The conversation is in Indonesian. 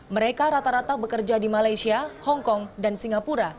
mereka rata rata bekerja di malaysia hongkong dan singapura